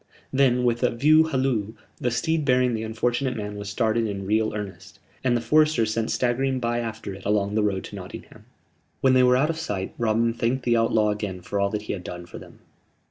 Then, with a "view halloo," the steed bearing the unfortunate man was started in real earnest; and the foresters sent staggering by after it along the road to Nottingham. When they were out of sight, Robin thanked the outlaw again for all that he had done for them.